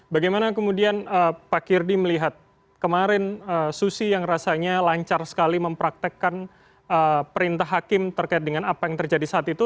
bagaimana kemudian pak kirdi melihat kemarin susi yang rasanya lancar sekali mempraktekkan perintah hakim terkait dengan apa yang terjadi saat itu